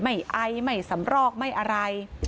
ไอไม่สำรอกไม่อะไร